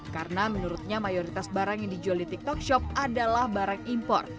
karena menurutnya mayoritas barang yang dijual di tiktok shop adalah barang impor